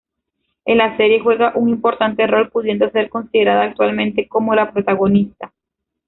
En la serie, juega un importante rol, pudiendo ser considerada actualmente como la protagonista.